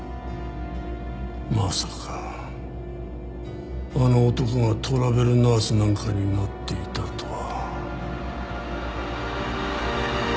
まさかあの男がトラベルナースなんかになっていたとは。